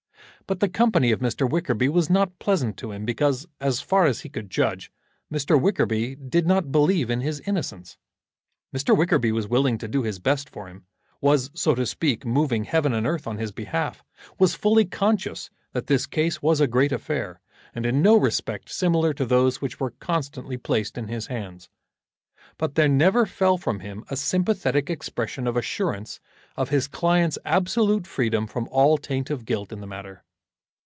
But the company of Mr. Wickerby was not pleasant to him, because, as far as he could judge, Mr. Wickerby did not believe in his innocence. Mr. Wickerby was willing to do his best for him; was, so to speak, moving heaven and earth on his behalf; was fully conscious that this case was a great affair, and in no respect similar to those which were constantly placed in his hands; but there never fell from him a sympathetic expression of assurance of his client's absolute freedom from all taint of guilt in the matter.